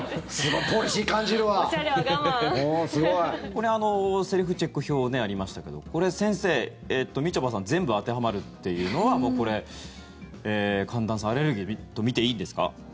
これ、セルフチェック表ありましたけどこれ、先生、みちょぱさん全部当てはまるというのはこれ、寒暖差アレルギーと見ていいんですか？